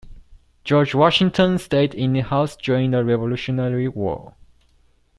George Washington stayed in the house during the Revolutionary War.